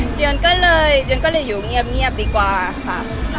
จียอนก็เลยอยู่เงียบดีกว่าค่ะ